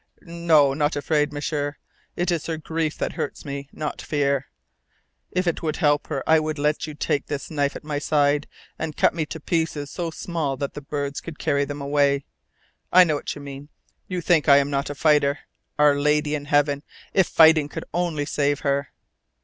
"No, not afraid, M'sieur. It is her grief that hurts me, not fear. If it would help her I would let you take this knife at my side and cut me into pieces so small that the birds could carry them away. I know what you mean. You think I am not a fighter. Our Lady in Heaven, if fighting could only save her!"